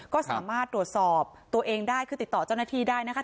ก็สามารถตรวจสอบตัวเองได้คือติดต่อเจ้าหน้าที่ได้นะคะ